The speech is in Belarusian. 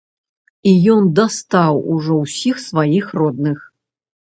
І ён дастаў ужо ўсіх сваіх родных.